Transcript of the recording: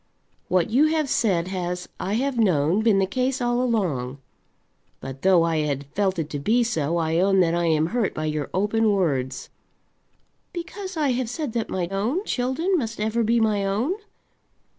"What you have said has, I have known, been the case all along. But though I had felt it to be so, I own that I am hurt by your open words." "Because I have said that my own children must ever be my own?"